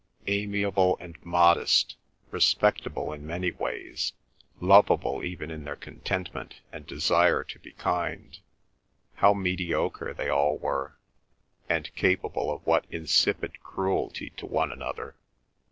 Amiable and modest, respectable in many ways, lovable even in their contentment and desire to be kind, how mediocre they all were, and capable of what insipid cruelty to one another!